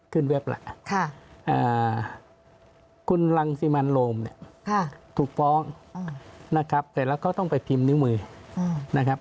ขึ้นเว็บแล้วนะครับคุณรังสิมันโลมถูกฟ้องนะครับแต่แล้วเขาต้องไปพิมพ์นิ้วมือนะครับ